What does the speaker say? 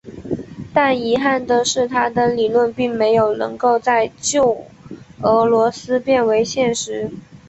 但遗憾的是他的理论并没有能够在旧俄罗斯变为现实。